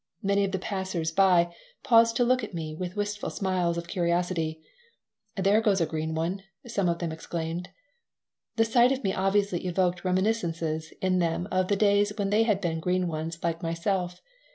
Many of the passers by paused to look at me with wistful smiles of curiosity "There goes a green one!" some of them exclaimed The sight of me obviously evoked reminiscences in them of the days when they had been "green ones" like myself.